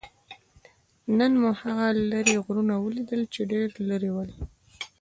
نن مو هغه لرې غرونه ولیدل؟ چې ډېر لرې ول.